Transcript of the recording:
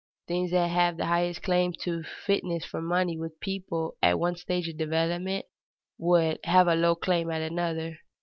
Things that have the highest claim to fitness for money with a people at one stage of development would have a low claim at another.